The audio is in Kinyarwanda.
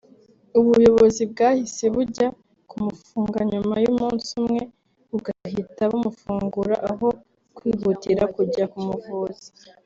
ubuyobozi bwahise bujya kumufunga nyuma y’umunsi umwe bugahita bumufungura aho kwihutira kujya kumuvuza